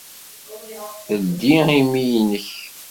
Ldi imi-nnek.